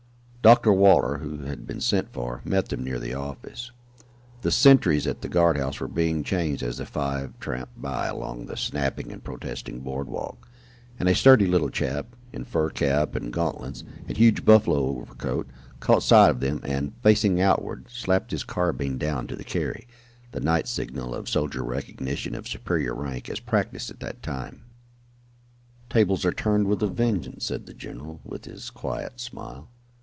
Dr. Waller, who had been sent for, met them near the office. The sentries at the guard house were being changed as the five tramped by along the snapping and protesting board walk, and a sturdy little chap, in fur cap and gauntlets, and huge buffalo overcoat, caught sight of them and, facing outward, slapped his carbine down to the carry the night signal of soldier recognition of superior rank as practised at the time. "Tables are turned with a vengeance," said the general, with his quiet smile.